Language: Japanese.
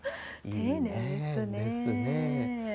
いいねえ。